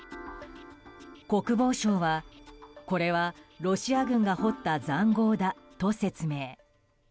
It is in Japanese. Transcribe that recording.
国防省は、これはロシア軍が掘った塹壕だと説明。